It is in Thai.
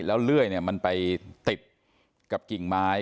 แล้วเลื่อยมันไปติดกับกิ่งไม้